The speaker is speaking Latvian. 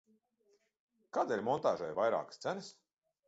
Kādēļ montāžai ir vairākas cenas?